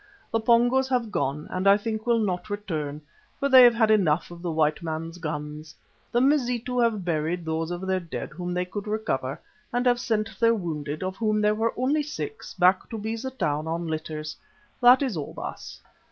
The Pongos have gone and I think will not return, for they have had enough of the white man's guns. The Mazitu have buried those of their dead whom they could recover, and have sent their wounded, of whom there were only six, back to Beza Town on litters. That is all, Baas."